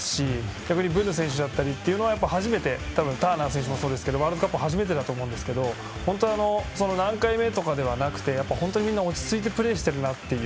逆にブヌ選手だったりはあとはターナー選手もそうですがワールドカップが初めてだと思いますが何回目とかじゃなく本当にみんな落ち着いてプレーしているなという。